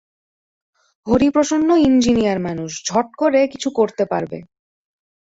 হরিপ্রসন্ন engineer মানুষ, ঝট করে কিছু করতে পারবে।